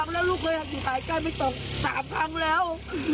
แล้วลูกเลยอยู่หายใจไม่ตก๓ครั้งแล้ว